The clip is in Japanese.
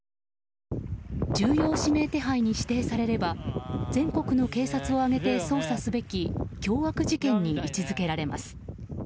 重要指名手配に指定されれば全国の警察を挙げて捜査すべき凶悪事件に位置づけられます。